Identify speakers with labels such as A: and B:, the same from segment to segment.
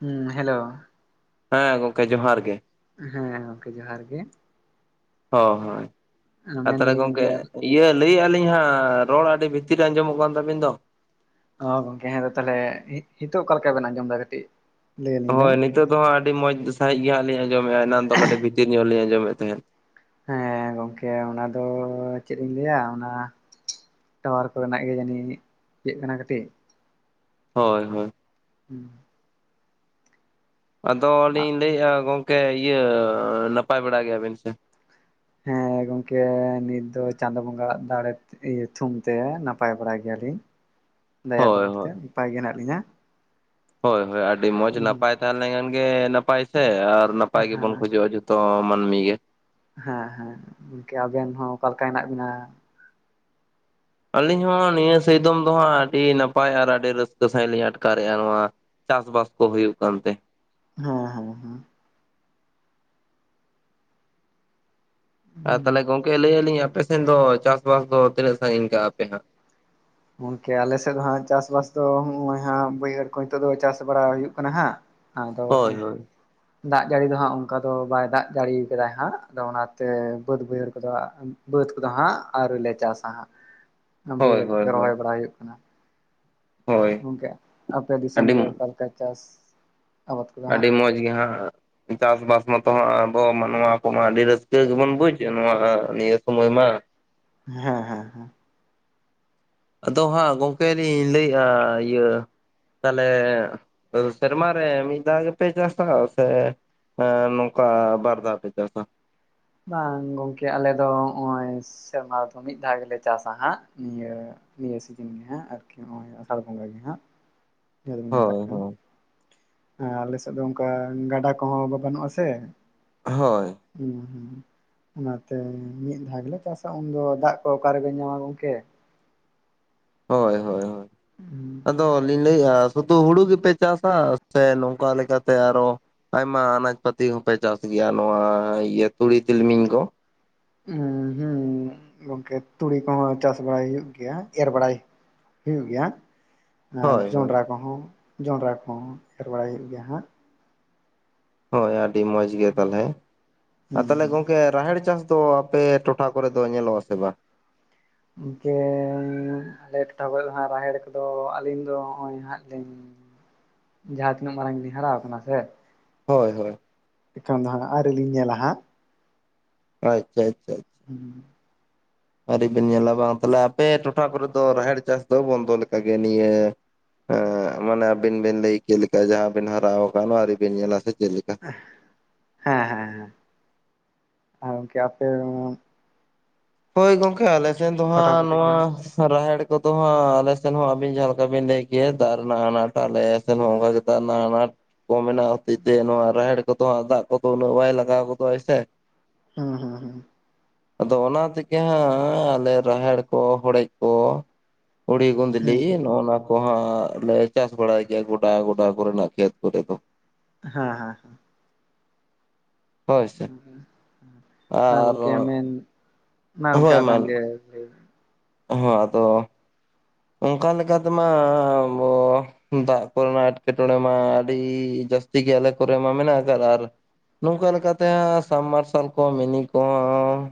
A: ᱦᱩᱸ ᱦᱮᱞᱳ᱾
B: ᱦᱮᱸ ᱜᱚᱝᱠᱮ ᱡᱚᱦᱟᱨ ᱜᱮ᱾
A: ᱦᱮᱸ ᱜᱚᱝᱠᱮ ᱡᱚᱦᱟᱨ ᱜᱮ᱾
B: ᱦᱚᱸ ᱦᱚᱸᱭ ᱟᱨ ᱛᱟᱦᱞᱮ
A: ᱢᱮᱱᱫᱟᱞᱤᱧ
B: ᱜᱚᱢᱠᱮ᱾
A: ᱜᱚᱝᱠᱮ
B: ᱤᱭᱟᱹ ᱞᱟᱹᱭᱮᱜ-ᱟ ᱞᱤᱧ ᱦᱟᱸᱜ ᱨᱚᱲ ᱟᱰᱤ ᱵᱷᱤᱛᱤᱨ ᱨᱮ ᱟᱸᱡᱚᱢᱚᱜ ᱠᱟᱱ ᱛᱟᱵᱤᱱ ᱫᱚ᱾
A: ᱦᱚᱸ ᱜᱚᱢᱠᱮ ᱦᱮᱸ ᱛᱚ ᱛᱟᱦᱞᱮ ᱦᱸᱤᱛᱚᱜ ᱚᱠᱟ ᱞᱮᱠᱟ ᱵᱮᱱ ᱟᱸᱡᱚᱢ ᱫᱟ ᱠᱟᱴᱤᱜ᱾
B: ᱦᱳᱭ ᱱᱤᱛᱚᱜ ᱫᱚ ᱦᱟᱸᱜ ᱟᱹᱰᱤ ᱢᱚᱡᱽ ᱥᱟᱸᱦᱤᱡ ᱜᱮ ᱦᱟᱸᱜ ᱞᱤᱧ ᱟᱸᱡᱚᱢᱮᱜᱼᱟ ᱮᱱᱟᱱ ᱫᱚ ᱠᱟᱴᱤᱜ ᱵᱷᱤᱛᱤᱨ ᱧᱚᱜ ᱞᱤᱧ ᱟᱸᱚᱢᱮᱜ ᱛᱟᱦᱮᱸᱫ᱾
A: ᱦᱮᱸ ᱜᱚᱢᱠᱮ ᱚᱱᱟ ᱫᱚ ᱪᱮᱫ ᱤᱧ ᱞᱟᱹᱭᱟ ᱚᱱᱟ᱾ ᱴᱟᱣᱟᱨ ᱠᱚ ᱨᱮᱱᱟᱜ ᱜᱮ ᱡᱟᱹᱱᱤᱡ ᱤᱭᱟᱹᱜ ᱠᱟᱱᱟ ᱠᱟᱹᱴᱤᱜ᱾
B: ᱦᱚᱭ ᱦᱚᱭ᱾
A: ᱦᱩᱸ᱾
B: ᱟᱫᱚ ᱞᱤᱧ ᱞᱟᱹᱭᱮᱜ-ᱟ ᱜᱚᱝᱠᱮ ᱤᱭᱟᱹ ᱱᱟᱯᱟᱭ ᱵᱟᱲᱟ ᱜᱮᱭᱟ ᱵᱤᱱ ᱥᱮ᱾
A: ᱦᱮᱸ ᱜᱚᱢᱠᱮ ᱱᱤᱛ ᱫᱚ ᱪᱟᱸᱫᱚ ᱵᱚᱸᱜᱟ ᱟᱜ ᱫᱟᱲᱮ᱾ ᱤᱭᱟᱹ ᱛᱷᱩᱢ ᱛᱮ ᱱᱟᱯᱟᱭ ᱵᱟᱲᱟ ᱜᱮᱭᱟᱞᱤᱧ ᱫᱟᱭᱟ
B: ᱦᱳᱭ
A: ᱫᱩᱩᱞᱟᱹᱲ ᱛᱮ
B: ᱦᱳᱭ
A: ᱱᱟᱯᱟᱭ ᱜᱮ ᱦᱮᱱᱟᱜ ᱞᱤᱧᱟ᱾
B: ᱦᱳᱭ ᱦᱳᱭ ᱟᱹᱰᱤ ᱢᱚᱸᱡᱽ
A: ᱦᱮᱸ
B: ᱱᱟᱯᱟᱭ ᱛᱟᱦᱮ ᱞᱮᱱᱠᱷᱟᱱ ᱜᱮ ᱱᱟᱯᱟᱭ ᱥᱮ ᱟᱨ ᱱᱟᱯᱟᱭ ᱜᱮᱵᱚᱱ ᱠᱷᱚᱡᱚᱜ-ᱟ ᱡᱷ ᱛᱚ ᱢᱟᱱᱢᱤ ᱜᱮ᱾
A: ᱦᱮᱸ ᱦᱮᱸ ᱜᱚᱝᱠᱮ ᱟᱵᱮᱱ ᱦᱚᱸ ᱚᱠᱟ ᱞᱮᱠᱟ ᱦᱮᱱᱟᱜ ᱵᱤᱱᱟ᱾
B: ᱟᱹᱞᱤᱧ ᱦᱚᱸ ᱱᱤᱭᱟᱹ ᱥᱤᱭᱫᱚᱢ ᱫᱚ ᱦᱟᱸᱜ ᱟᱹᱰᱤ ᱱᱟᱯᱟᱭ ᱟᱨ ᱟᱹᱰᱤ ᱨᱟᱹᱥᱠᱟᱹ ᱥᱟᱸᱦᱤᱡ ᱞᱤᱧ ᱟᱴᱠᱟᱨᱮᱜ-ᱟ ᱱᱚᱣᱟ᱾ ᱪᱟᱥ ᱵᱟᱥ ᱠᱚ ᱦᱩᱭᱩᱜ ᱠᱟᱱᱛᱮ᱾
A: ᱦᱮᱸ ᱦᱮᱸ ᱦᱮᱸ᱾
B: ᱟᱨ
A: ᱦᱩᱸ
B: ᱛᱟᱦᱞᱮ ᱜᱚᱝᱠᱮ ᱞᱟᱹᱭᱮᱜ ᱟᱞᱤᱧ ᱟᱯᱮ ᱥᱮᱱ ᱫᱚ ᱪᱟᱥᱵᱟᱥ ᱫᱚ ᱛᱤᱱᱟᱹᱜ ᱥᱟᱸᱜᱤᱧ ᱠᱟᱜᱼᱟ ᱯᱮ ᱦᱟᱸᱜ᱾
A: ᱜᱚᱝᱠᱮ ᱟᱞᱮ ᱥᱮᱫ ᱫᱚ ᱦᱟᱸᱜ ᱪᱟᱥ ᱵᱟᱥ ᱫᱚ ᱦᱚᱸᱜ-ᱚᱭ ᱦᱟᱸᱜ ᱵᱟᱹᱭᱦᱟᱹᱲ ᱠᱚ ᱱᱤᱛᱚᱜ ᱫᱚ ᱪᱟᱥ ᱵᱟᱲᱟ ᱦᱩᱭᱩᱜ ᱠᱟᱱᱟ ᱦᱟᱸᱜ᱾ ᱟᱫᱚ᱾
B: ᱦᱳᱭ ᱦᱳᱭ᱾
A: ᱫᱟᱜ ᱡᱟᱲᱤ ᱫᱚ ᱦᱟᱸᱜ ᱚᱱᱠᱟ ᱫᱚ ᱵᱟᱭ ᱫᱟᱜ ᱡᱟᱲᱤᱭ ᱠᱟᱫᱟᱭ ᱦᱟᱸᱜ ᱟᱫᱚ ᱚᱱᱟᱛᱮ ᱵᱟᱹᱫᱽ ᱵᱟᱹᱭᱦᱟᱹᱲ ᱠᱚᱫᱚ᱾ ᱵᱟᱹᱫᱽ ᱠᱚᱫᱚ ᱦᱟᱸᱜ ᱟᱣᱨᱤ ᱞᱮ ᱪᱟᱥ-ᱟ ᱦᱟᱸᱜ
B: ᱦᱳᱭ
A: ᱵᱟᱹᱭᱦᱟᱹᱲ
B: ᱦᱳᱭ
A: ᱠᱚᱜᱮ
B: ᱦᱳᱭ
A: ᱨᱚᱦᱚᱭ ᱵᱟᱲᱟ ᱦᱩᱭᱩᱜ ᱠᱟᱱᱟ᱾
B: ᱦᱳᱭ
A: ᱜᱚᱝᱠᱮ ᱟᱯᱮ ᱫᱤᱥᱚᱢ
B: ᱟᱹᱰᱤ
A: ᱜᱮ ᱚᱠᱟ ᱞᱮᱠᱟ ᱪᱟᱥ᱾ ᱟᱵᱟᱫ ᱠᱚᱫᱚ ᱦᱟᱸᱜ?
B: ᱟᱰᱤ ᱢᱚᱸᱡᱽ ᱜᱮ ᱦᱟᱸᱜ᱾ ᱪᱟᱥᱵᱟᱥ ᱢᱚᱛᱚ ᱦᱟᱸᱜ ᱟᱵᱚ ᱱᱚᱣᱟ ᱠᱚᱢᱟ ᱟᱹᱰᱤ ᱨᱟᱹᱥᱠᱟᱹ ᱜᱮᱵᱚᱱ ᱵᱩᱡᱽ ᱱᱚᱣᱟ ᱱᱤᱭᱟᱹ ᱥᱳᱢᱚᱭ ᱢᱟ᱾
A: ᱦᱮᱸ ᱦᱮᱸ ᱦᱮᱸ᱾
B: ᱟᱫᱚ ᱦᱟᱸᱜ ᱜᱚᱝᱠᱮ ᱞᱤᱧ ᱞᱟᱹᱭᱮᱜᱼᱟ ᱤᱭᱟᱹ᱾ ᱛᱟᱦᱞᱮ ᱥᱮᱨᱢᱟ ᱨᱮ ᱢᱤᱫ ᱫᱷᱟᱣ ᱜᱮᱯᱮ ᱪᱟᱥᱟ ᱥᱮ᱾ ᱮᱸ ᱱᱚᱝᱠᱟ ᱵᱟᱨ ᱫᱷᱟᱣ ᱯᱮ ᱪᱟᱥᱟ᱾
A: ᱵᱟᱝ ᱜᱚᱝᱠᱮ ᱟᱞᱮ ᱫᱚ ᱚᱸᱜᱼᱚᱭ ᱥᱮᱨᱢᱟ ᱨᱮᱫᱚ ᱢᱤᱫ ᱫᱷᱟᱣ ᱜᱮᱞᱮ ᱪᱟᱥᱟ ᱦᱟᱸᱜ ᱱᱤᱭᱟᱹ᱾ ᱱᱤᱭᱟᱹ ᱥᱤᱡᱤᱱ ᱜᱮ ᱦᱟᱸᱜ ᱟᱨᱠᱤ ᱱᱚᱜᱼᱚᱭ ᱟᱥᱟᱲ ᱵᱚᱸᱜᱟ ᱜᱮ ᱦᱟᱸᱜ ᱡᱟᱦᱟ ᱫᱚᱵᱚᱱ ᱢᱮᱛᱟᱜ
B: ᱦᱳᱭ
A: ᱠᱟᱱ᱾
B: ᱦᱳᱭ᱾
A: ᱦᱮᱸ ᱟᱞᱮ ᱥᱮᱫ ᱫᱚ ᱚᱱᱠᱟ ᱜᱟᱰᱟ ᱠᱚᱦᱚᱸ ᱵᱟᱹᱱᱩᱜ-ᱟ ᱥᱮ᱾
B: ᱦᱳᱭ᱾
A: ᱦᱩᱸ ᱦᱩᱸ᱾ ᱚᱱᱟᱛᱮ ᱢᱤᱫ ᱫᱷᱟᱣ ᱜᱮᱞᱮ ᱪᱟᱥᱟ ᱩᱱᱫᱚ ᱫᱟᱜ ᱠᱚ ᱚᱠᱟᱨᱜᱮ ᱧᱟᱢᱟ ᱜᱚᱝᱠᱮ᱾
B: ᱦᱳᱭ ᱦᱳᱭ ᱦᱳᱭ,
A: [inaudible]
B: ᱟᱫᱚ ᱞᱤᱧ ᱞᱟᱹᱭᱮᱫᱼᱟ ᱥᱩᱫᱩ ᱦᱩᱲᱩ ᱜᱮᱯᱮ ᱪᱟᱥᱟ ᱥᱮ ᱱᱚᱝᱠᱟ ᱞᱮᱠᱟᱛᱮ ᱟᱨᱦᱚ- ᱟᱭᱢᱟ ᱟᱱᱟᱡᱽ ᱯᱟᱹᱛᱤ ᱦᱚᱸᱯᱮ ᱪᱟᱥ ᱜᱮᱭᱟ ᱱᱚᱣᱟ ᱤᱭᱟᱹ ᱛᱩᱲᱤ ᱛᱤᱞᱢᱤᱧ ᱠᱚ᱾
A: ᱦ ᱦᱮᱸ ᱜᱚᱝᱠᱮ ᱛᱩᱲᱤ ᱠᱚᱦᱚᱸ ᱪᱟᱥ ᱵᱟᱲᱟᱭ ᱦᱩᱭᱩᱜ ᱜᱮᱭᱟ ᱮᱨ ᱵᱟᱲᱟᱭ- ᱦᱩᱭᱩᱜ ᱜᱮᱭᱟᱜ ᱟᱨ
B: ᱦᱳᱭ ᱦᱳᱭ
A: ᱡᱚᱸᱰᱨᱟ ᱠᱚᱦᱚᱸ ᱡᱚᱸᱰᱨᱟ ᱠᱚᱦᱚᱸ ᱮᱨ ᱵᱟᱲᱟᱭ ᱦᱩᱭᱩᱜ ᱜᱮᱭᱟ ᱦᱟᱸᱜ᱾
B: ᱦᱳᱭ ᱟᱹᱰᱤ ᱢᱚᱡᱽ ᱜᱮ ᱛᱟᱦᱚᱞᱮ ᱟᱨ
A: ᱦᱩᱸ
B: ᱛᱟᱦᱚᱞᱮ
A: ᱦᱩᱸ
B: ᱜᱚᱝᱠᱮ ᱨᱟᱦᱮᱲ ᱪᱟᱥ ᱫᱚ- ᱟᱯᱮ ᱴᱚᱴᱷᱟ ᱠᱚᱨᱮ ᱫᱚ ᱧᱮᱞᱚᱜ ᱟᱥ ᱵᱟᱝ?
A: ᱜᱚᱢᱠᱮ ᱟᱞᱮ ᱴᱚᱴᱷᱟ ᱠᱷᱚᱱ ᱫᱚ ᱦᱟᱸᱜ ᱨᱟᱦᱮᱲ ᱠᱚᱫᱚ ᱟᱹᱞᱤᱧ ᱫᱚ ᱱᱚᱜᱼᱚᱭ ᱦᱟᱸᱜ ᱞᱤᱧ- ᱡᱟᱦᱟᱸ ᱛᱤᱱᱟᱹᱜ ᱢᱟᱨᱟᱝ ᱜᱮᱞᱤᱧ ᱦᱟᱨᱟ ᱠᱟᱱᱟ ᱥᱮ-
B: ᱦᱳᱭ ᱦᱳᱭ,
A: ᱮᱠᱷᱚᱱ ᱫᱚ ᱦᱟᱸᱜ ᱟᱨᱮᱞᱤᱧ ᱧᱮᱞᱟ ᱦᱟᱸᱜ᱾
B: ᱟᱪᱷᱟ ᱟᱪᱷᱟ,
A: ᱦᱩᱸ
B: ᱟᱹᱨᱤ ᱵᱮᱱ ᱧᱮᱞᱟ ᱵᱟᱝ ᱛᱟᱦᱞᱮ ᱟᱯᱮ ᱴᱚᱴᱷᱟ ᱠᱚᱨᱮ ᱫᱚ ᱨᱟᱦᱮᱲ ᱪᱟᱥ ᱫᱚ ᱵᱚᱱᱫᱚ ᱞᱮᱠᱟ ᱜᱮ ᱱᱤᱭᱟᱹ- ᱦᱮᱸ ᱢᱟᱱᱮ ᱟᱵᱤᱱ ᱵᱤᱱ ᱞᱟᱹᱭ ᱠᱮᱫ ᱞᱮᱠᱟ ᱡᱟᱦᱟᱸ ᱵᱤᱱ ᱦᱟᱨᱟ ᱟᱠᱟᱱ ᱟᱹᱣᱨᱤ ᱵᱤᱱ ᱧᱮᱞᱟ ᱥᱮ ᱪᱮᱫ ᱞᱮᱠᱟ?
A: ᱦᱮᱸ ᱦᱮᱸ ᱟᱨ ᱜᱚᱢᱠᱮ ᱟᱯᱮ ᱫᱚ?
B: ᱦᱳᱭ ᱜᱚᱝᱠᱮ ᱟᱞᱮᱴᱦᱮᱱ ᱫᱚ
A: ᱴᱚᱴᱷᱟ
B: ᱦᱟᱸᱜ
A: ᱠᱚᱨᱮ ᱜᱮ
B: ᱱᱚᱣᱟ- ᱨᱟᱦᱮᱲ ᱠᱚᱫᱚ ᱦᱟᱸᱜ ᱟᱞᱮᱥᱮᱫ ᱦᱚᱸ ᱟᱵᱤᱱ ᱡᱟᱦᱟᱸ ᱞᱮᱠᱟ ᱵᱤᱱ ᱞᱟᱹᱭ ᱜᱮᱭᱟ ᱫᱟᱜ ᱨᱮᱱᱟᱜ ᱟᱱᱟᱴ ᱟᱞᱮ- ᱱᱚᱝᱠᱟ ᱜᱮ ᱟᱱᱟᱴ᱾ ᱠᱚ ᱦᱚᱛᱮᱡ ᱛᱮ ᱱᱚᱣᱟ ᱨᱟᱦᱮᱲ ᱠᱚᱫᱚ ᱦᱟᱸᱜ ᱫᱟᱜ ᱠᱚᱫᱚ ᱩᱱᱟᱹᱜ ᱵᱟᱭ ᱞᱟᱜᱟᱣ ᱜᱚᱫᱚᱜᱼᱟᱭ ᱥᱮ
A: ᱦᱮᱸ ᱦᱮᱸ ᱦᱮᱸ,
B: ᱟᱫᱚ ᱚᱱᱟ ᱛᱮᱜᱮ ᱦᱟᱸᱜ ᱟᱞᱮ ᱨᱟᱦᱮᱲ ᱠᱚ ᱦᱚᱲᱮᱡ ᱠᱚ ᱩᱲᱤ-
A: ᱦᱩᱸ
B: ᱜᱩᱸᱫᱽᱞᱤ
A: ᱦᱩᱸ
B: ᱱᱚᱜᱱᱟ ᱠᱚᱦᱟᱸᱜ ᱞᱮ ᱪᱟᱥ ᱵᱟᱲᱟᱭ ᱜᱮᱭᱟ ᱜᱚᱰᱟ ᱜᱚᱰᱟ ᱠᱚᱨᱮᱱᱟᱜ ᱠᱷᱮᱛ ᱠᱚᱨᱮ ᱫᱚ᱾
A: ᱦᱮᱸ ᱦᱮᱸ ᱦᱮᱸ,
B: ᱦᱳᱭ ᱥᱮ
A: ᱦᱮ
B: ᱟᱨ
A: ᱜᱚᱢᱠᱮ ᱢᱮᱱ ᱢᱟ ᱜᱚᱢᱠᱮ ᱟᱵᱮᱱ ᱜᱮ ᱞᱟᱹᱭ ᱵᱮᱱ?
B: ᱦᱚ ᱟᱫᱚ- ᱚᱱᱠᱟ ᱞᱮᱠᱟ ᱛᱮᱢᱟ ᱟᱵᱚ ᱫᱟᱜ ᱠᱚᱨᱮᱱᱟᱜ ᱮᱸᱴᱠᱮᱴᱚᱬᱮ ᱢᱟ ᱟᱹᱰᱤ ᱡᱟᱹᱥᱛᱤ ᱜᱮ ᱟᱞᱮ ᱠᱚᱨᱮ ᱢᱟ ᱢᱮᱱᱟᱜ ᱟᱠᱟᱫ ᱟᱨ, ᱱᱚᱝᱠᱟ ᱞᱮᱠᱟᱛᱮ ᱥᱟᱢᱽᱢᱟᱨᱥᱟᱞ ᱠᱚ ᱢᱤᱱᱤ ᱠᱚ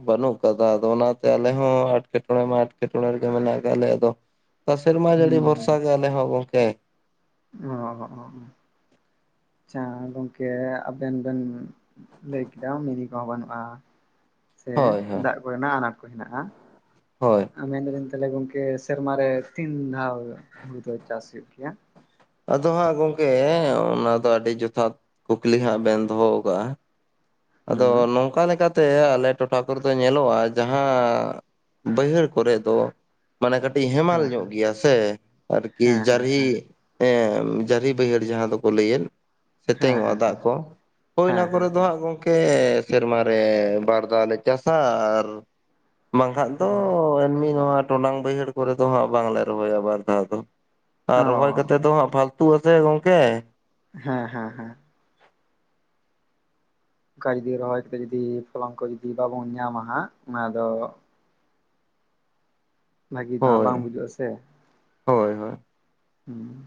B: ᱵᱟᱹᱱᱩᱜ ᱟᱠᱟᱫᱟ ᱟᱫᱚ ᱚᱱᱟᱛᱮ ᱟᱞᱮ ᱦᱚᱸᱴ- ᱮᱴᱠᱮᱴᱚᱬᱮ ᱢᱟ ᱮᱴᱠᱮᱴᱚᱬᱮ ᱨᱮᱜᱮ ᱢᱮᱱᱟᱜ ᱠᱟᱜ ᱞᱮ ᱟᱫᱚ ᱥᱮᱨᱢᱟ ᱡᱟᱹᱲᱤ
A: ᱦᱩᱸ ᱦᱩᱸ
B: ᱵᱷᱚᱨᱥᱟ ᱜᱮ ᱟᱞᱮ ᱦᱚᱸ ᱜᱚᱢᱠᱮ᱾
A: ᱚ ᱟᱪᱷᱟ ᱜᱚᱢᱠᱮ ᱟᱵᱮᱱ ᱵᱮᱱ- ᱞᱟᱹᱭ ᱠᱮᱫᱟ ᱢᱤᱱᱤ ᱠᱚᱦᱚᱸ ᱵᱟᱹᱱᱩᱜᱼᱟ ᱥᱮ
B: ᱦᱳᱭ ᱦᱳᱭ
A: ᱫᱟᱜ ᱠᱚᱨᱮᱱᱟᱜ ᱟᱱᱟᱴ ᱠᱚ ᱦᱮᱱᱟᱜᱼᱟ?
B: ᱦᱳᱭ
A: ᱢᱮᱱᱫᱟ ᱞᱤᱧ ᱛᱟᱦᱚᱞᱮ ᱜᱚᱝᱠᱮ ᱥᱮᱨᱢᱟ ᱨᱮ ᱛᱤᱱ ᱫᱷᱟᱣ ᱦᱩᱲᱩ ᱫᱚ ᱪᱟᱥ ᱦᱩᱭᱩᱜ ᱜᱮᱭᱟ?
B: ᱟᱫᱚ ᱦᱟᱸᱜ ᱜᱚᱢᱠᱮ ᱚᱱᱟ ᱫᱚ ᱟᱹᱰᱤ ᱡᱚᱛᱷᱟᱛ ᱠᱩᱠᱞᱤ ᱦᱟᱸᱜ ᱵᱮᱱ ᱫᱚᱦᱚ ᱟᱠᱟᱫᱟᱼᱟ᱾ ᱟᱫᱚ
A: ᱦᱩᱸ
B: ᱱᱚᱝᱠᱟ ᱞᱮᱠᱟᱛᱮ- ᱛᱮ ᱟᱞᱮ ᱴᱚᱴᱷᱟ ᱠᱚᱨᱮ ᱫᱚ ᱧᱮᱞᱚᱜᱼᱟ ᱡᱟᱦᱟᱸ ᱵᱟᱹᱭᱦᱟᱹᱲ ᱠᱚᱨᱮ ᱫᱚ- ᱢᱟᱱᱮ ᱠᱟᱹᱴᱤᱡ ᱦᱮᱢᱟᱞ
A: ᱦᱮᱸ
B: ᱧᱚᱜ
A: ᱦᱮᱸ
B: ᱜᱮᱭᱟ ᱥᱮ ᱟᱨᱠᱤ
A: ᱦᱮᱸ ᱦᱮᱸ
B: ᱡᱟᱨᱦᱤ,
A: ᱦᱮᱸ
B: ᱡᱟᱹᱨᱤ ᱵᱟᱹᱭᱦᱟᱹᱲ ᱡᱟᱦᱟᱸ ᱫᱚᱠᱚ ᱞᱟᱹᱭᱮᱫ᱾ ᱥᱮᱛᱮᱝ
A: ᱦᱮᱸ
B: ᱚᱜᱼᱟ
A: ᱦᱮᱸ
B: ᱫᱟᱜ ᱠᱚ ᱦᱳᱭ ᱚᱱᱟ
A: ᱦᱮᱸ
B: ᱠᱚᱨᱮ
A: ᱦᱮᱸ
B: ᱫᱚ ᱦᱟᱸᱜ ᱜᱚᱢᱠᱮ- ᱥᱮᱨᱢᱟ ᱨᱮ ᱵᱟᱨ ᱫᱷᱟᱣ ᱞᱮ ᱪᱟᱥᱟ ᱟᱨ- ᱵᱟᱝᱠᱷᱟᱱ ᱫᱚ
A: ᱦᱮᱸ ᱦᱮᱸ
B: ᱮᱢᱱᱢᱤ ᱱᱚᱣᱟ ᱴᱚᱰᱟᱝ ᱵᱟᱹᱭᱦᱟᱹᱲ ᱠᱚᱨᱮ ᱫᱚ ᱦᱟᱸᱜ ᱵᱟᱝᱞᱮ ᱨᱚᱦᱚᱭᱟ ᱵᱟᱨ ᱫᱷᱟᱣ ᱫᱚ᱾ ᱟᱨ
A: ᱚ
B: ᱨᱚᱦᱚᱭ ᱠᱟᱛᱮᱫ ᱫᱚ ᱦᱟᱸᱜ ᱯᱷᱟᱞᱛᱩ ᱟ ᱥᱮ ᱜᱚᱝᱠᱮ᱾
A: ᱦᱮᱸ ᱦᱮᱸ ᱦᱮᱸ ᱾ ᱚᱝᱠᱟ ᱡᱩᱫᱤ ᱨᱚᱦᱚᱭ ᱠᱟᱛᱮᱫ ᱡᱩᱫᱤ ᱯᱷᱚᱞᱚᱱ ᱠᱚ ᱡᱩᱫᱤ ᱵᱟᱵᱚᱱ ᱧᱟᱢᱟ ᱦᱟᱸᱜ, ᱚᱱᱟ ᱫᱚ [unintelligible] ᱵᱷᱟᱹᱜᱤ ᱫᱚ ᱦᱟᱸᱜ
B: ᱦᱳᱭ
A: ᱵᱟᱝ ᱵᱩᱡᱩᱜᱼᱟ ᱥᱮ,
B: ᱦᱳᱭ ᱦᱳᱭ
A: ᱦᱩᱸ ᱾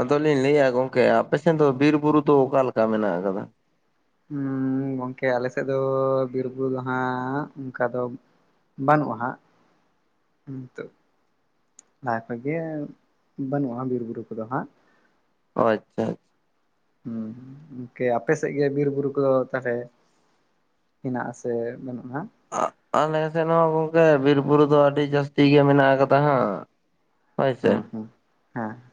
B: ᱟᱫᱚᱞᱤᱧ ᱞᱟᱹᱭᱮᱜᱼᱟ ᱜᱚᱝᱠᱮ ᱟᱯᱮᱥᱮᱫ ᱫᱚ ᱵᱤᱨ ᱵᱩᱨᱩ ᱫᱚ ᱚᱠᱟᱞᱮᱠᱟ ᱢᱮᱱᱟᱜ ᱟᱠᱟᱫᱟ?
A: ᱦᱩᱸᱻ ᱜᱚᱝᱠᱮ ᱟᱞᱮ ᱥᱮᱫ ᱫᱚ ᱵᱤᱨᱵᱩᱨᱩ ᱫᱚ ᱦᱟᱸᱜ ᱚᱝᱠᱟ ᱫᱚ ᱵᱟᱹᱱᱩᱜᱼᱟ ᱦᱟᱸᱜ, ᱦᱤᱛᱚᱜ ᱾ ᱞᱟᱦᱟ ᱠᱷᱚᱡ ᱜᱮ ᱵᱟᱹᱱᱩᱜᱼᱟ ᱵᱤᱨ ᱵᱩᱨᱩ ᱠᱚᱫᱚ ᱦᱟᱸᱜ ᱾
B: ᱚ ᱟᱪᱪᱷᱟ ᱾
A: ᱦᱮᱸ, ᱜᱚᱢᱠᱮ ᱟᱯᱮ ᱥᱮᱜ ᱜᱮ ᱵᱤᱨ ᱵᱩᱨᱩ ᱠᱚ ᱫᱚ ᱛᱟᱦᱚᱞᱮ ᱦᱮᱱᱟᱜᱼᱟᱥᱮ ᱵᱟᱹᱱᱩᱜᱼᱟ ᱱᱟᱜ?
B: ᱟ ᱟᱞᱮ ᱥᱮᱫ ᱦᱚᱸ ᱜᱚᱝᱠᱮ ᱵᱤᱨ ᱵᱩᱨᱩ ᱫᱚ ᱟᱹᱰᱤ ᱡᱟᱹᱥᱛᱤ ᱜᱮ ᱢᱮᱱᱟᱜ ᱟᱠᱟᱫᱟ ᱦᱟᱸᱜ ᱾
A: ᱦᱩᱸ ᱦᱩᱸ ᱦᱮᱸ ᱾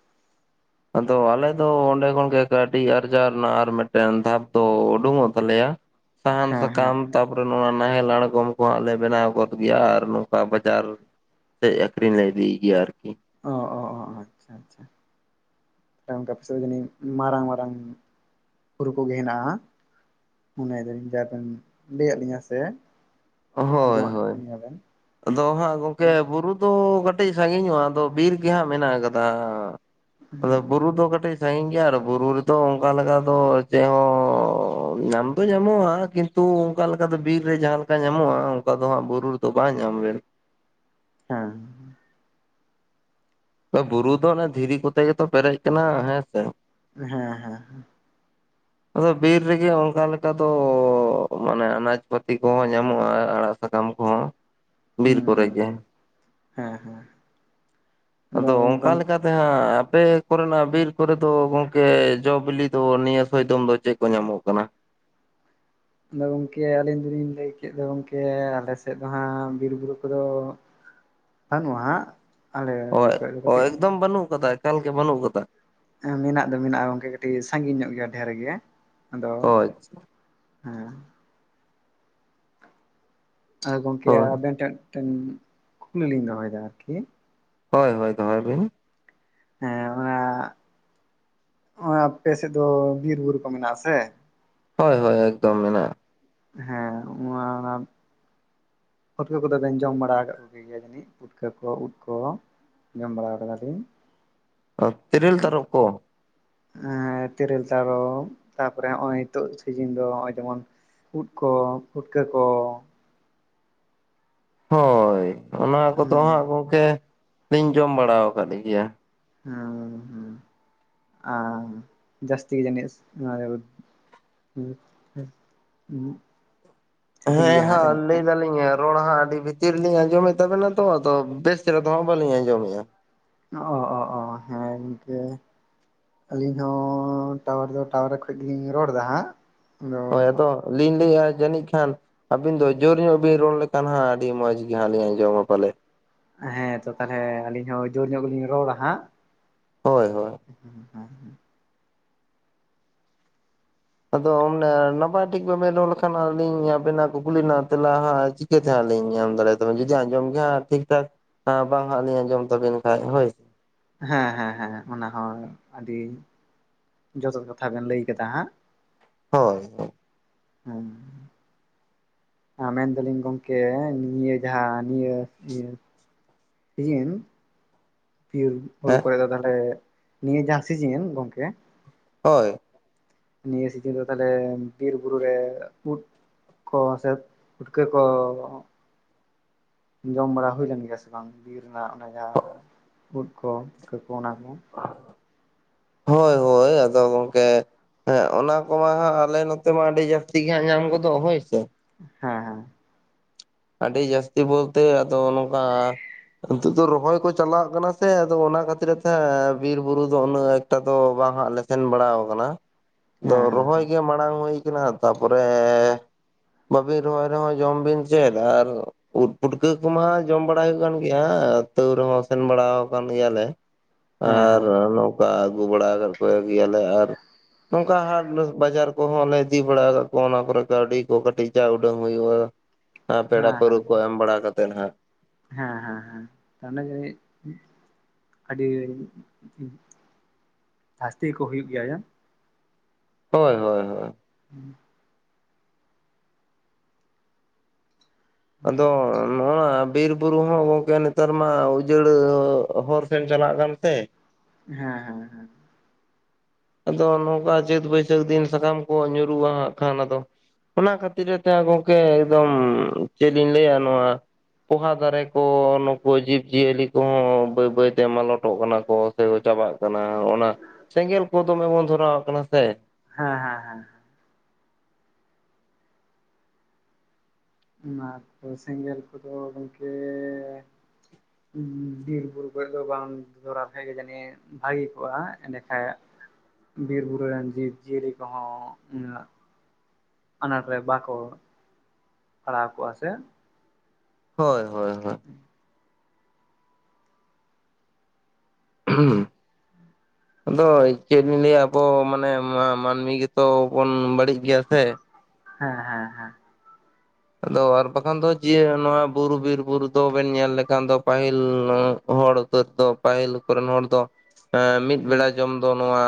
B: ᱟᱫᱚ ᱟᱞᱮ ᱫᱚ ᱚᱸᱰᱮ ᱠᱷᱚᱱᱜᱮ ᱠᱟᱹᱶᱰᱤ ᱟᱨᱡᱟᱣ ᱨᱮᱱᱟᱜ ᱟᱨ ᱢᱤᱫᱴᱮᱱ ᱫᱷᱟᱯ ᱫᱚ ᱩᱰᱩᱠᱚᱜ ᱛᱟᱞᱮᱭᱟ ᱾ ᱥᱟᱦᱟᱱ
A: ᱦᱮᱸ ᱦᱮᱸ
B: ᱥᱟᱠᱟᱢ ᱛᱟᱯᱚᱨᱮ ᱱᱚᱣᱟ ᱱᱟᱦᱮᱞ ᱟᱬᱜᱚᱢ ᱠᱚᱦᱟᱸ ᱞᱮ ᱵᱮᱱᱟᱣ ᱜᱚᱫ ᱜᱮᱭᱟ ᱟᱨ ᱱᱚᱝᱠᱟ ᱵᱟᱡᱟᱨ ᱥᱮᱡ ᱟᱠᱷᱨᱤᱧ ᱞᱮ ᱤᱫᱤᱭ ᱜᱮᱭᱟ ᱟᱨᱠᱤ ᱾
A: ᱚ ᱚ ᱚ ᱟᱪᱪᱷᱟ ᱟᱪᱪᱷᱟ ᱾ ᱦᱮᱸ ᱚᱝᱠᱟ ᱟᱯᱮ ᱥᱮᱡ ᱫᱚ ᱡᱟᱹᱱᱤᱡ ᱢᱟᱨᱟᱝ ᱢᱟᱨᱟᱝ ᱦᱩᱨᱩ ᱠᱚᱜᱮ ᱦᱮᱱᱟᱜᱼᱟ ᱦᱟᱸᱜ? ᱢᱚᱱᱮ ᱫᱟᱞᱤᱧ ᱡᱟ ᱵᱮᱱ ᱞᱟᱹᱭᱟᱫ ᱞᱤᱧᱟ ᱥᱮ
B: ᱦᱳᱭ
A: ᱟᱸᱡᱚᱢᱟᱜ
B: ᱦᱳᱭ,
A: ᱜᱮᱭᱟᱵᱮᱱ
B: ᱟᱫᱚ ᱦᱟᱸᱜ ᱜᱚᱝᱠᱮ
A: ᱦᱮᱸ
B: ᱵᱩᱨᱩ ᱫᱚ ᱠᱟᱹᱴᱤᱡ ᱥᱟᱺᱜᱤᱧᱚᱜᱼᱟ ᱟᱫᱚ ᱵᱤᱨ ᱜᱮ ᱦᱟᱸᱜ ᱢᱮᱱᱟᱜ ᱠᱟᱫᱟ, ᱟᱫᱚ ᱵᱩᱨᱩ ᱫᱚ ᱠᱟᱹᱴᱤᱡ ᱥᱟᱺᱜᱤᱧ ᱜᱮᱭᱟ ᱟᱨ ᱵᱩᱨᱩ ᱨᱮᱫᱚ ᱚᱝᱠᱟ ᱞᱮᱠᱟ ᱫᱚ ᱪᱮᱜ ᱦᱚᱸ ᱧᱟᱢ ᱫᱚ ᱧᱟᱢᱚᱜᱼᱟ ᱠᱤᱱᱛᱩ ᱚᱝᱠᱟ ᱞᱮᱠᱟ ᱫᱚ ᱵᱤᱨ ᱨᱮ ᱡᱟᱦᱟᱸ ᱞᱮ ᱠᱟ ᱧᱟᱢᱚᱜᱼᱟ, ᱚᱝᱠᱟ ᱫᱚ ᱦᱟᱸᱜ ᱵᱩᱨᱩ ᱨᱮᱫᱚ ᱵᱟᱝ ᱧᱟᱢ ᱞᱮᱱ
A: ᱦᱮᱸ ᱾
B: ᱵᱩᱨᱩ ᱫᱚ ᱚᱱᱮ ᱫᱷᱤᱨᱤ ᱠᱚᱛᱮ ᱜᱮᱛᱚ ᱯᱮᱨᱮᱡ ᱠᱟᱱᱟ ᱦᱮᱸ ᱥᱮ ᱾
A: ᱦᱮᱸ ᱦᱮᱸ ᱦᱮᱸ ᱾
B: ᱟᱫᱚ ᱵᱤᱨ ᱨᱮᱜᱮ ᱚᱱᱠᱟ ᱞᱮᱠᱟ ᱫᱚᱻ ᱢᱟᱱᱮ ᱟᱱᱟᱡ ᱯᱟᱹᱛᱤ ᱠᱚᱦᱚᱸ ᱧᱟᱢᱚᱜᱼᱟ ᱟᱲᱟ ᱥᱟᱠᱟᱢ ᱠᱚᱦᱚᱸ ᱾
A: ᱦᱩᱸ ᱦᱩᱸ ᱦᱩᱸ, ᱦᱮᱸ ᱦᱮᱸ ᱾
B: ᱟᱫᱚ ᱚᱱᱠᱟ ᱞᱮᱠᱟ ᱛᱮ ᱦᱟᱸᱜ ᱟᱯᱮ ᱠᱚᱨᱮᱱᱟᱜ ᱵᱤᱨ ᱠᱚᱨᱮ ᱫᱚ ᱜᱚᱝᱠᱮ ᱡᱚ ᱵᱤᱞᱤ ᱫᱚ ᱱᱤᱭᱟᱹ ᱥᱚᱭᱫᱚᱢ ᱫᱚ ᱪᱮᱫ ᱠᱚ ᱧᱟᱢᱚᱜ ᱠᱟᱱᱟ?
A: ᱟᱫᱚ ᱜᱚᱢᱠᱮ ᱟᱹᱞᱤᱧ ᱫᱚᱞᱤᱧ ᱞᱟᱹᱭ ᱠᱮᱫ ᱫᱚ ᱜᱚᱢᱠᱮ ᱟᱞᱮ ᱥᱮᱫ ᱫᱚ ᱦᱟᱸᱜ ᱵᱤᱨᱼᱵᱩᱨᱩ ᱠᱚᱫᱚ ᱵᱟᱹᱱᱩᱜ-ᱟ‌ ᱦᱟᱸᱜ ᱾
B: ᱚᱭ ᱚ ᱮᱠᱫᱚᱢ ᱵᱟᱹᱱᱩᱜ ᱟᱠᱟᱫᱟ, ᱮᱠᱟᱞ ᱜᱮ ᱵᱟᱹᱱᱩᱜ ᱟᱠᱟᱫᱟ!
A: ᱦᱮᱸ ᱢᱮᱱᱟᱜ ᱫᱚ ᱢᱮᱱᱟᱜᱼᱟ ᱜᱚᱝᱠᱮ ᱠᱟᱹᱴᱤᱡ ᱥᱟᱺᱜᱤᱧ ᱧᱚᱜ ᱜᱮᱭᱟ ᱰᱷᱮᱨ ᱜᱮ, ᱟᱫᱚ
B: ᱦᱳᱭ
A: ᱦᱮᱸ ᱾ ᱟ ᱜᱚᱝᱠᱮ
B: ᱦᱳᱭ
A: ᱟᱵᱮᱱ ᱴᱷᱮᱱ ᱢᱤᱫᱮᱱ ᱠᱩᱠᱞᱤ ᱞᱤᱧ ᱫᱚᱦᱚᱭᱮᱫᱟ ᱟᱨᱠᱤ ᱾
B: ᱦᱳᱭ ᱦᱳᱭ ᱫᱚᱦᱚᱭ ᱵᱤᱱ ᱾
A: ᱦᱮᱸ ᱚᱱᱟ ᱦᱚᱸᱭ ᱟᱯᱮ ᱥᱮᱫ ᱫᱚ ᱵᱤᱨ ᱵᱩᱨᱩ ᱠᱚ ᱢᱮᱱᱟᱜᱼᱟ ᱟᱥᱮ!
B: ᱦᱳᱭ ᱦᱳᱭ ᱮᱠᱫᱚᱢ ᱢᱮᱱᱟᱜᱼᱟ ᱾
A: ᱦᱮᱸ [unintelligible] ᱯᱷᱩᱴᱠᱟᱹ ᱠᱚᱫᱚ ᱵᱮᱱ ᱡᱚᱢ ᱵᱟᱲᱟ ᱟᱠᱟᱫ ᱠᱚᱜᱮ ᱜᱮᱭᱟ ᱡᱟᱹᱱᱤᱡ ᱯᱩᱴᱠᱟᱹ ᱠᱚ ᱩᱫ ᱠᱚ! ᱡᱚᱢ ᱵᱟᱲᱟ ᱠᱟᱫᱟ ᱞᱤᱧ ᱾
B: ᱟᱨ ᱛᱨᱮᱞ ᱛᱟᱨᱚᱵᱯ ᱠᱚ ᱾
A: ᱮᱸᱻ ᱛᱮᱨᱮᱞ ᱛᱟᱨᱚᱵ ᱛᱟᱨᱯᱚᱨᱮ ᱦᱚᱜᱼᱚᱭ ᱱᱤᱛᱚᱜ ᱥᱤᱡᱤᱱ ᱫᱚ ᱦᱚᱜ-ᱚᱭ ᱡᱮᱢᱚᱱ ᱩᱫ ᱠᱚ ᱯᱷᱩᱴᱠᱟᱹ ᱠᱚ ᱾
B: ᱦᱳᱭ ᱚᱱᱟ ᱠᱚᱫᱚ
A: ᱦᱩᱸ
B: ᱦᱟᱸᱜ ᱜᱚᱝᱠᱮ ᱞᱤᱧ ᱡᱚᱢ ᱵᱟᱲᱟ ᱟᱠᱟᱫ ᱜᱮᱭᱟ ᱾
A: ᱦᱩᱸ ᱦᱩᱸ ᱟᱨ ᱡᱟᱹᱥᱛᱤ ᱡᱟᱹᱱᱤᱥ ᱱᱚᱣᱟ [unintelligible] ᱥᱤᱵᱤᱞ
B: ᱦᱮᱸ
A: ᱜᱮᱭᱟ
B: ᱦᱟᱸᱜ
A: ᱡᱟᱹᱱᱤᱡ
B: ᱞᱟᱹᱭ
A: ᱠᱷᱟᱱ
B: ᱫᱟᱞᱤᱧ ᱨᱚᱲ ᱦᱟᱸᱜ ᱟᱹᱰᱤ ᱵᱷᱤᱛᱤᱨ ᱨᱮ ᱞᱤᱧ ᱟᱸᱡᱚᱢᱮᱫ ᱛᱟᱵᱮᱱᱟ ᱛᱚ ᱟᱫᱚ ᱵᱮᱥ ᱪᱮᱨᱦᱟ ᱫᱚ ᱵᱟᱞᱤᱧ ᱟᱸᱡᱚᱢᱮᱜᱼᱟ ᱾
A: ᱚ ᱚ ᱚ ᱦᱮᱸ ᱱᱤᱱᱠᱟᱹ ᱟᱹᱞᱤᱧ ᱦᱚᱸ ᱴᱟᱣᱟᱨ ᱫᱚ ᱴᱟᱣᱟᱨ ᱠᱷᱚᱡ ᱜᱮᱞᱤᱧ ᱨᱚᱲ ᱮᱫᱟ ᱦᱟᱸᱜ ᱾
B: ᱦᱳᱭ ᱟᱫᱚ ᱞᱤᱧ ᱞᱟᱹᱭᱮᱜᱼᱟ ᱡᱟᱹᱱᱤᱡ ᱠᱷᱟᱱ ᱟᱹᱵᱤᱱ ᱫᱚ ᱡᱳᱨ ᱧᱚᱜ ᱵᱤᱱ ᱨᱚᱲ ᱞᱮᱠᱷᱟᱱ ᱦᱟᱸᱜ ᱟᱹᱰᱤ ᱢᱚᱡᱽ ᱜᱮ ᱦᱟᱸᱜ ᱞᱤᱧ ᱟᱸᱡᱚᱢᱟ ᱯᱟᱞᱮ ᱾
A: ᱦᱮᱸ ᱛᱚ ᱛᱟᱦᱚᱞᱮ ᱟᱹᱞᱤᱧ ᱦᱚᱸ ᱡᱳᱨ ᱧᱚᱜ ᱜᱮᱞᱤᱧ ᱨᱚᱲᱟ ᱦᱟᱸᱜ ᱾
B: ᱦᱳᱭ ᱦᱳᱭ ᱾
A: [unintelligible]
B: ᱟᱫᱚ ᱚᱢᱱᱮ ᱱᱟᱯᱟᱭ ᱴᱷᱤᱠ ᱵᱟᱵᱮᱱ ᱨᱚᱲ ᱞᱮᱠᱷᱟᱱ ᱟᱹᱞᱤᱧ ᱟᱵᱮᱱᱟᱜ ᱠᱩᱞᱤᱱᱟ ᱛᱮᱞᱟ ᱦᱟᱸᱜ ᱪᱤ ᱪᱤᱠᱟᱹᱛᱮ ᱦᱟᱸᱜ ᱞᱤᱧ ᱮᱢ ᱫᱟᱲᱮᱭᱟ‌ ᱛᱟᱵᱤᱱ ᱡᱩᱫᱤ ᱟᱸᱡᱚᱢ ᱜᱮ ᱦᱟᱸᱜ ᱴᱷᱤᱠ ᱴᱷᱟᱠ ᱵᱟᱝ ᱦᱟᱸᱜ ᱞᱤᱧ ᱟᱸᱡᱚᱢ ᱛᱟᱵᱤᱱ ᱠᱷᱟᱱᱡ ᱦᱳᱭ ᱾
A: ᱦᱮᱸ ᱦᱮᱸ ᱦᱮᱸ ᱚᱱᱟ ᱦᱚᱸ ᱟᱹᱰᱤ ᱡᱚᱛᱷᱟᱛ ᱠᱟᱛᱷᱟ ᱵᱮᱱ ᱞᱟᱹᱭ ᱠᱟᱫᱟ ᱦᱟᱸᱜ ᱾
B: ᱦᱳᱭ [unintelligible]
A: ᱦᱩᱸ ᱾ ᱦᱟᱸ ᱢᱮᱱ ᱫᱟᱞᱤᱧ ᱜᱚᱝᱠᱮ ᱱᱤᱭᱟᱹ ᱡᱟᱦᱟᱸ ᱱᱤᱭᱟᱹ ᱤᱭᱟᱹ ᱥᱤᱡᱤᱱ [unintelligible] ᱦᱩᱲᱩ
B: ᱦᱮᱸ
A: ᱠᱚᱨᱮ ᱫᱚ ᱛᱟᱦᱚᱞᱮ ᱱᱤᱭᱟᱹ ᱡᱟᱦᱟᱸ ᱥᱤᱡᱤᱱ ᱜᱚᱝᱠᱮ,
B: ᱦᱳᱭ ᱾
A: ᱱᱤᱭᱟᱹ ᱥᱤᱡᱤᱱ ᱫᱚ ᱛᱟᱦᱚᱞᱮ ᱵᱤᱨ ᱵᱩᱨᱩᱨᱮ ᱩᱫᱽ ᱠᱚ ᱥᱮ ᱯᱩᱴᱠᱟᱹ ᱠᱚ ᱡᱚᱢ ᱵᱟᱲᱟ ᱦᱩᱭ ᱞᱮᱱ ᱜᱮᱭᱟ ᱥᱮ ᱵᱟᱝ ᱵᱤᱨ ᱨᱮᱱᱟᱜ ᱚᱱᱟ ᱡᱟᱦᱟᱸ ᱩᱫ ᱠᱚ ᱯᱩᱴᱠᱟᱹ ᱠᱚ ᱚᱱᱟ ᱠᱚ? [inaudible]
B: ᱦᱳᱭ ᱦᱳᱭ ᱟᱫᱚ ᱜᱚᱝᱠᱮ ᱦᱮᱸ ᱚᱱᱟ ᱠᱚᱢᱟ ᱦᱟᱸᱜ ᱟᱞᱮ ᱱᱚᱛᱮ ᱢᱟ ᱟᱹᱰᱤ ᱡᱟᱹᱥᱛᱤ ᱜᱮ ᱦᱟᱸᱜ ᱧᱟᱢ ᱜᱚᱫᱚᱜᱼᱟ ᱦᱳᱭ ᱥᱮ ᱾
A: ᱦᱮᱸ ᱦᱮᱸ ᱾
B: ᱟᱹᱰᱤ ᱡᱟᱹᱥᱛᱤ ᱵᱳᱞᱛᱮ ᱟᱫᱚ ᱱᱚᱝᱠᱟ ᱱᱤᱛᱳᱜ ᱫᱚ ᱨᱚᱦᱚᱭ ᱠᱚ ᱪᱟᱞᱟᱜ ᱠᱟᱱᱟ ᱥᱮ ᱟᱫᱚ ᱚᱱᱟ ᱠᱷᱟᱹᱛᱤᱨ ᱛᱮ ᱦᱟᱸᱜ ᱵᱤᱨ ᱵᱩᱨᱩ ᱫᱚ ᱩᱱᱟᱹᱜ ᱮᱠ ᱴᱟ ᱫᱚ ᱵᱟᱝ ᱦᱟᱸᱜ ᱞᱮ ᱥᱮᱱ ᱵᱟᱲᱟ ᱠᱟᱱᱟ, ᱟᱫᱚ
A: ᱦᱮᱸ ᱦᱮᱸ
B: ᱨᱚᱦᱚᱭ ᱜᱮ ᱢᱟ ᱵᱟᱝ ᱦᱩᱭ ᱠᱟᱱᱟ, ᱛᱟᱯᱚᱨᱮ ᱵᱟᱵᱤᱱ ᱨᱚᱦᱚᱭ ᱨᱮᱦᱚᱸ ᱡᱚᱢ ᱵᱤᱱ ᱪᱮᱫ ᱟᱨ ᱩᱫ ᱯᱩᱴᱠᱟᱹ ᱠᱚᱢᱟ ᱡᱚᱢ ᱵᱟᱲᱟ ᱦᱩᱭᱩᱜ ᱠᱟᱱ ᱜᱮᱭᱟ ᱛᱟᱹᱣ ᱨᱮᱦᱚᱸ ᱥᱮᱱ ᱵᱟᱲᱟᱣ ᱟᱠᱟᱱ ᱜᱮᱭᱟᱞᱮ ᱾
A: ᱦᱮᱸ
B: ᱟᱨ
A: ᱦᱮᱸ
B: ᱱᱚᱝᱠᱟ ᱟᱜᱩ ᱵᱟᱲᱟ ᱠᱟᱫ ᱠᱚ ᱜᱮᱭᱟᱞᱮ ᱟᱨ ᱱᱚᱝᱠᱟ ᱦᱟᱴ ᱱᱟᱥ ᱵᱟᱡᱟᱨ ᱠᱚᱦᱚᱸ ᱞᱮ ᱤᱫᱤ ᱰᱟᱲᱟ ᱠᱟᱜ ᱠᱚᱣᱟ ᱚᱱᱟ ᱠᱚᱨᱮ ᱠᱟᱹᱣᱰᱤ ᱠᱚ ᱠᱟᱹᱴᱤᱡ ᱡᱟ ᱩᱰᱟᱝ ᱦᱩᱭᱩᱜᱼᱟ ᱾ ᱮ ᱯᱮᱲᱟ
A: ᱦᱮᱸ
B: ᱯᱟᱹᱨᱟᱹ
A: ᱦᱮᱸ
B: ᱠᱚ ᱮᱢ ᱵᱟᱲᱟ ᱠᱟᱛᱮᱫ ᱦᱟᱸᱜ ᱾
A: ᱦᱮᱸ ᱦᱮᱸ ᱦᱮᱸ [inaudible] ᱟᱹᱰᱤ [inaudible] ᱟᱹᱥᱛᱤ ᱜᱮ ᱠᱚ ᱦᱩᱭᱩᱜ ᱜᱮᱭᱟ ᱭᱟᱱ ᱾
B: ᱦᱳᱭ ᱦᱳᱭ ᱦᱳᱭ ᱾
A: [unintelligible]
B: ᱟᱫᱚ ᱱᱚᱜᱼᱚᱱᱟ ᱵᱤᱨ ᱵᱩᱨᱩ ᱦᱚᱸ ᱜᱚᱝᱠᱮ ᱱᱮᱛᱟᱨ ᱢᱟ ᱩᱡᱟᱹᱲ ᱦᱚᱨ ᱥᱮᱱ ᱪᱟᱞᱟᱜ ᱠᱟᱱ ᱛᱮ᱾
A: ᱦᱮᱸ ᱦᱮᱸ ᱦᱮᱸ᱾
B: ᱟᱫᱚ ᱱᱚᱝᱠᱟ ᱪᱟᱹᱛ ᱵᱟᱹᱭᱥᱟᱹᱠᱷ ᱫᱤᱱ ᱥᱟᱠᱟᱢ ᱠᱚ ᱧᱩᱨᱩᱜᱼᱟ ᱦᱟᱸᱜ ᱠᱷᱟᱱ ᱟᱫᱚ᱾ ᱚᱱᱟ ᱠᱷᱟᱹᱛᱤᱨ ᱜᱮᱛᱚᱭᱟ ᱜᱚᱝᱠᱮ ᱮᱠᱫᱚᱢ ᱪᱮᱫ ᱞᱤᱧ ᱞᱟᱹᱭᱟ ᱱᱚᱣᱟ ᱯᱚᱦᱟ ᱫᱟᱨᱮ ᱠᱚ ᱚ ᱱᱩᱠᱩ ᱡᱤᱵᱽ ᱡᱤᱭᱟᱹᱞᱤ ᱠᱚᱦᱚᱸ ᱵᱟᱹᱭ ᱵᱟᱹᱭᱛᱮ ᱢᱟᱞᱚᱴ ᱴᱚᱜ ᱠᱟᱱᱟ ᱠᱚ ᱥᱮ ᱠᱚ ᱪᱟᱵᱟᱜ ᱠᱟᱱᱟ ᱚᱱᱟ ᱥᱮᱸᱜᱮᱞ ᱠᱚ ᱫᱚᱢᱮ ᱵᱚᱱ ᱫᱷᱚᱨᱟᱣ ᱟᱜ ᱠᱟᱱᱟ ᱥᱮ᱾
A: ᱦᱮᱸ ᱦᱮᱸ ᱦᱮᱸ᱾ ᱚᱱᱟ ᱛᱚ ᱥᱮᱸᱜᱮᱞ ᱠᱚᱫᱚ ᱜᱚᱝᱠᱮᱻ᱾ ᱵᱤᱨ ᱵᱩᱨᱩ ᱠᱟᱨᱮ ᱫᱚ ᱵᱟᱢ ᱫᱷᱚᱨᱟᱣ ᱞᱮᱠᱷᱟᱡ ᱜᱮ ᱡᱟᱹᱱᱤᱡ ᱵᱷᱟᱹᱜᱤ ᱠᱚᱜᱼᱟ, ᱮᱸᱰᱮᱠᱟᱡ ᱵᱤᱨ ᱵᱩᱨᱩᱨ ᱨᱮᱱ ᱡᱤᱵᱽ ᱡᱤᱭᱟᱹᱞᱤ ᱠᱚᱦᱚᱸ ᱢᱮᱱᱟᱜᱼᱼ ᱟᱱᱟᱴ ᱨᱮ ᱵᱟᱠᱚ ᱯᱟᱲᱟᱣ ᱠᱚᱜᱼᱟ ᱥᱮ
B: ᱦᱳᱭ ᱦᱳᱭ ᱦᱳᱭ᱾
A: [unintelligible]
B: [unintelligible] ᱟᱫᱚ ᱪᱮᱫ ᱞᱤᱧ ᱞᱟᱹᱭᱟ ᱟᱵᱚ ᱢᱟᱱᱮ ᱢᱟ-ᱢᱟᱹᱱᱢᱤ ᱜᱮᱛᱚ ᱵᱚᱱ ᱵᱟᱹᱲᱤᱡ ᱜᱮᱭᱟ ᱥᱮ᱾
A: ᱦᱮᱸ ᱦᱮᱸ ᱦᱮᱸ᱾
B: ᱟᱫᱚ ᱟᱨ ᱵᱟᱠᱷᱟᱱ ᱫᱚ ᱡᱮ ᱱᱚᱣᱟ ᱵᱩᱨᱩ ᱵᱤᱨ ᱵᱩᱨᱩ ᱫᱚᱵᱮᱱ ᱧᱮᱞ ᱞᱮᱠᱷᱟᱱ ᱫᱚ ᱯᱟᱹᱦᱤᱞ ᱦᱚᱲ [inaudible] ᱫᱚ ᱯᱟᱹᱦᱤᱞ ᱠᱚᱨᱮᱱ ᱦᱚᱲ ᱫᱚ ᱮᱸ ᱢᱤᱫ ᱵᱮᱲᱟ ᱡᱚᱢ ᱫᱚ ᱱᱚᱣᱟ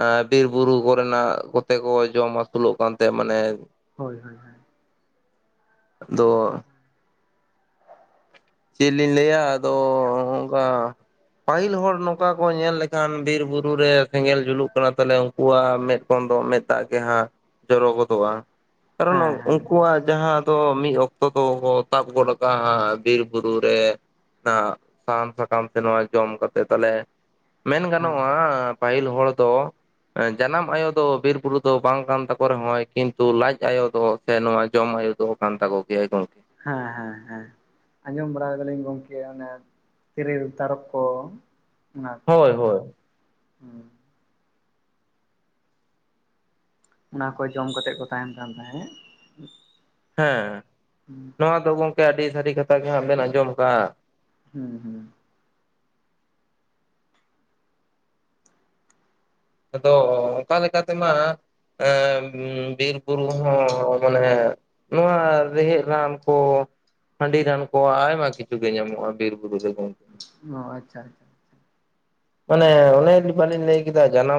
B: ᱮ ᱵᱤᱨ ᱵᱩᱨᱩ ᱠᱚᱨᱮᱱᱟᱜ ᱠᱚᱛᱮ ᱠᱚ ᱡᱚᱢ ᱟᱹᱥᱩᱞᱚᱜ ᱠᱟᱱ ᱛᱟᱦᱮᱸ ᱢᱟᱱᱮ
A: ᱦᱳᱭ ᱦᱳᱭ ᱦᱳᱭ᱾
B: ᱫᱚ᱾ ᱪᱮᱫ ᱞᱤᱧ ᱞᱟᱹᱭᱟ ᱟᱫᱚ ᱦᱚᱸ-ᱚᱝᱠᱟ᱾ ᱯᱟᱹᱦᱤᱞ ᱦᱚᱲ ᱱᱚᱝᱠᱟ ᱠᱚ ᱧᱮᱞ ᱞᱮᱠᱷᱟᱱ ᱵᱤᱨ ᱵᱩᱨᱩ ᱨᱮ ᱥᱮᱸᱜᱮᱞ ᱡᱩᱞᱩᱜ ᱠᱟᱱᱟ ᱛᱟᱞᱮ ᱠᱚᱣᱟ ᱢᱮᱫ ᱠᱷᱚᱱ ᱫᱚ ᱢᱮᱫ ᱫᱟᱜ ᱜᱮ ᱦᱟᱸᱜ ᱡᱚᱨᱚ ᱜᱚᱫᱚᱜᱼᱟ᱾ ᱠᱟᱨᱚᱱ
A: ᱦᱮᱸ ᱦᱮᱸ ᱦᱮᱸ
B: ᱩᱱᱠᱩᱣᱟᱜ ᱡᱟᱦᱟᱸ ᱫᱚ ᱢᱤᱫ ᱚᱠᱛᱚ ᱫᱚ ᱵᱚ ᱛᱟᱵ ᱜᱚᱫ ᱟᱠᱟ ᱦᱟᱸᱜ᱾ ᱵᱤᱨ ᱵᱩᱨᱩ ᱨᱮ ᱚᱱᱟ ᱥᱟᱦᱟᱱ ᱥᱟᱠᱟᱢ ᱛᱮ ᱱᱚᱣᱟ ᱡᱚᱢ ᱠᱟᱛᱮ ᱛᱟᱞᱮ ᱢᱮᱱ
A: ᱦᱮᱸ
B: ᱜᱟᱱᱚᱜᱼᱟ ᱯᱟᱹᱦᱤᱞ ᱦᱚᱲ ᱫᱚ ᱮᱸ ᱡᱟᱱᱟᱢ ᱟᱭᱳ ᱫᱚ ᱵᱤᱨ ᱵᱩᱨᱩ ᱫᱚ ᱵᱟᱝ ᱠᱟᱱ ᱛᱟᱠᱚ ᱨᱮᱦᱚᱸᱭ ᱠᱤᱱᱛᱩ ᱞᱟᱡ ᱟᱭᱳ ᱫᱚ ᱥᱮ ᱱᱚᱣᱟ ᱡᱚᱢ ᱟᱭᱳ ᱫᱚ ᱠᱟᱱ ᱛᱟᱠᱚ ᱜᱮᱭᱟᱭ ᱜᱚᱝᱠᱮ᱾
A: ᱦᱮᱸ ᱦᱮᱸ ᱦᱮᱸ᱾ ᱟᱸᱡᱚᱢ ᱵᱟᱲᱟᱭ ᱫᱟᱞᱤᱧ ᱜᱚᱝᱠᱮ ᱚᱱᱮ ᱛᱮᱨᱮᱞ ᱛᱟᱨᱚᱵ ᱠᱚ᱾ ᱱᱚᱣᱟ ᱠᱚ
B: ᱦᱳᱭ ᱦᱳᱭ᱾
A: ᱦᱩᱸ᱾ ᱚᱱᱟ ᱠᱚ ᱡᱚᱢ ᱠᱟᱛᱮᱜ ᱠᱚ ᱛᱟᱦᱮᱱ ᱠᱟᱱ ᱛᱟᱦᱮᱸᱫ᱾
B: ᱦᱮᱸ ᱱᱚᱣᱟ ᱫᱚ ᱜᱚᱝᱠᱮ ᱟᱹᱰᱤ ᱥᱟᱹᱨᱤ ᱠᱟᱛᱷᱟ ᱜᱮ ᱦᱟᱸᱜ ᱵᱮᱱ ᱟᱸᱡᱚᱢ ᱠᱟᱜ-ᱟ᱾
A: ᱦᱩᱸ ᱦᱩᱸ᱾
B: ᱟᱫᱚ ᱚᱱᱠᱟ ᱞᱮᱠᱥ ᱛᱮᱢᱟ ᱮᱸ ᱵᱤᱨ ᱵᱩᱨᱩ ᱦᱚᱸ ᱢᱟᱱᱮ ᱱᱚᱣᱟ ᱨᱮᱦᱮᱫ ᱨᱟᱱ ᱠᱚ ᱦᱟᱺᱰᱤ ᱨᱟᱱ ᱠᱚ ᱟᱭᱢᱟ ᱠᱤᱪᱷᱩ ᱜᱮ ᱧᱟᱢᱚᱜᱼᱟ ᱵᱤᱨ ᱵᱩᱨᱩ ᱨᱮᱫᱚ᱾
A: ᱚ ᱟᱪᱪᱷᱟ᱾
B: ᱚᱱᱮ
A: ᱦᱮᱸ
B: ᱚᱱᱮ [unintelligible] ᱞᱤᱧ ᱞᱟᱸᱭ ᱠᱮᱫᱟ ᱡᱟᱱᱟᱢ